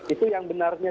itu yang benarnya